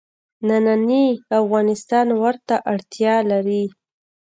نننی افغانستان ورته اړتیا لري.